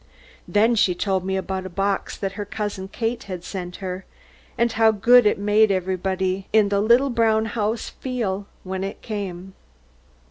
Then she told me about a box that her Cousin Kate had sent her, and how good it made everybody in the little brown house feel, when it came.